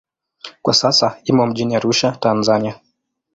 Kwa sasa imo mjini Arusha, Tanzania.